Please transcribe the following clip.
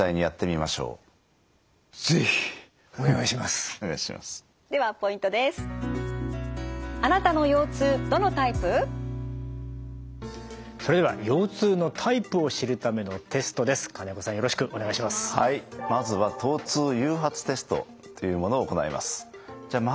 まずは疼痛誘発テストというものを行います。